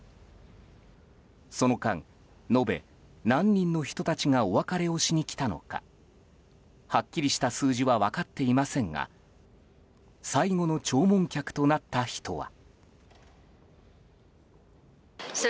その間、延べ何人の人たちがお別れをしに来たのかはっきりした数字は分かっていませんが最後の弔問客となった人は。